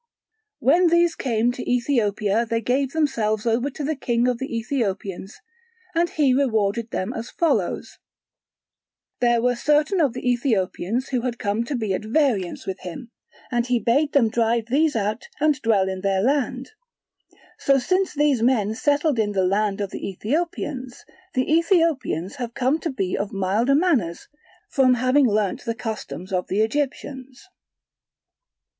When these came to Ethiopia they gave themselves over to the king of the Ethiopians; and he rewarded them as follows: there were certain of the Ethiopians who had come to be at variance with him; and he bade them drive these out and dwell in their land. So since these men settled in the land of the Ethiopians, the Ethiopians have come to be of milder manners, from having learnt the customs of the Egyptians.